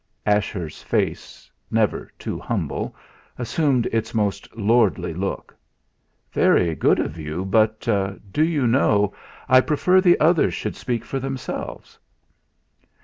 Ashurst's face, never too humble, assumed its most lordly look. "Very good of you, but, do you know, I prefer the others should speak for themselves."